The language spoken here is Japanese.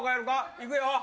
いくよ！